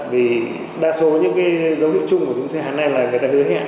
vì đa số những dấu hiệu chung của những dự án này là người ta hứa hẹn